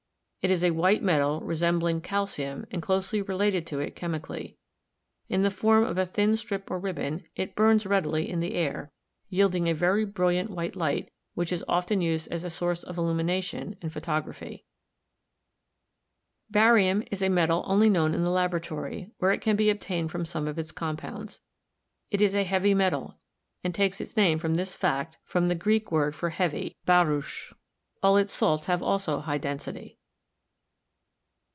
It is a white metal resembling calcium and closely related to it chemically. In the form of a thin strip or ribbon it burns readily in the air, yielding 272 GEOLOGY a very brilliant white light, which is often used as a source of illumination in photography. Barium is a metal only known in the laboratory, where is can be obtained from some of its compounds. It is a heavy metal, and takes its name from this fact from the Greek word for heavy (fiapvS). All its salts have also high density.